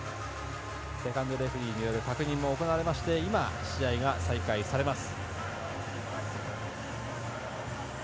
セカンドレフェリーによる確認も行われまして試合が再開されます。